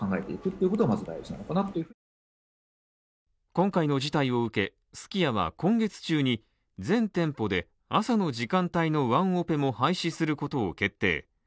今回の事態を受け、すき家は今月中に全店舗で、朝の時間帯のワンオペも廃止することを決定。